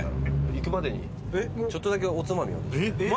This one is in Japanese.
行くまでにちょっとだけおつまみをですね。